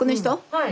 はい。